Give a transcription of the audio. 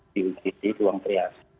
di ugt ruang kriasi